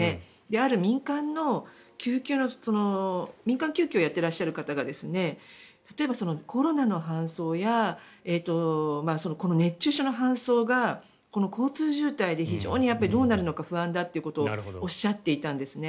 ある民間救急をやっていらっしゃる方が例えばコロナの搬送やこの熱中症の搬送がこの交通渋滞でどうなるのか不安とおっしゃっていたんですね。